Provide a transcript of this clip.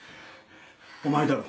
お前だろ。